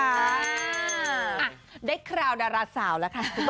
อ่ะได้คราวดาราสาวแล้วค่ะ